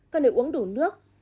cần để uống đủ nước